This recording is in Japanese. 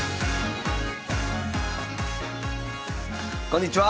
こんにちは！